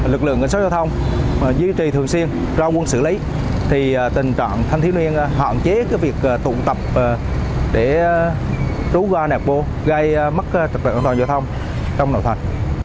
lực lượng cảnh sát giao thông giữ trì thường xuyên